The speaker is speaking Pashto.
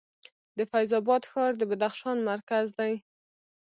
د فیض اباد ښار د بدخشان مرکز دی